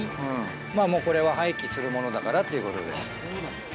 これは廃棄するものだからっていうことで。